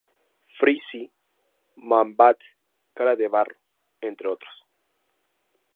Freeze, Man-Bat, Cara de Barro, entre otros.